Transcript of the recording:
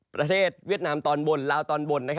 ประเทศเวียดนามตอนบนราวตอนบน